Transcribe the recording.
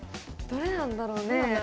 どれなんだろうね？